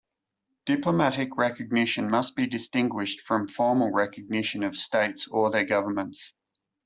Diplomatic recognition must be distinguished from formal recognition of states or their governments.